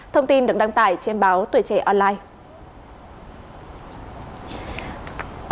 thông tin được đăng tải trên báo tuổi trẻ online